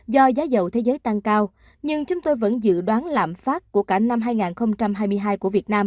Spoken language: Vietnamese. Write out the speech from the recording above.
do giá dầu thế giới tăng cao nhưng chúng tôi vẫn dự đoán lạm phát của cả năm hai nghìn hai mươi hai của việt nam